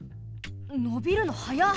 のびるのはやっ！